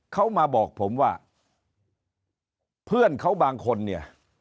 เขามาบอกผมว่าเพื่อนเขาบางคนเนี่ย